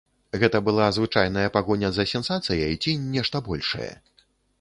Гэта была звычайная пагоня за сенсацыяй ці нешта большае?